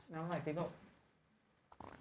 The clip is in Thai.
น้ำหน่อยสิบลูก